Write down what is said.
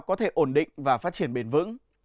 có thể ổn định và phát triển bền vững